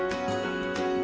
lalu dia nyaman